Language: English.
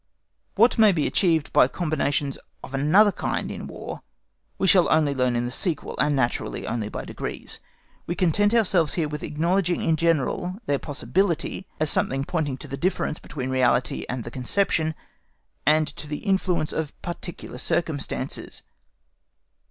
What may be achieved by combinations of another kind in War we shall only learn in the sequel, and naturally only by degrees. We content ourselves here with acknowledging in general their possibility, as something pointing to the difference between the reality and the conception, and to the influence of particular circumstances.